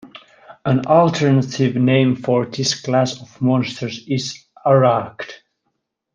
An alternative name for this class of monsters is Arrachd.